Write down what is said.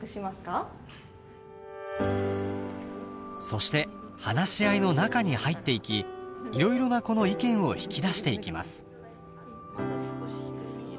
そして話し合いの中に入っていきいろいろな子の意見を引き出していきます。